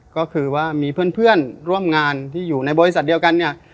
ก็คือว่ามีเพื่อนร่วมงานที่อยู่ในบริษัทเดียวกันเนี่ย